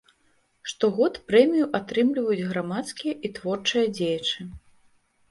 Штогод прэмію атрымліваюць грамадскія і творчыя дзеячы.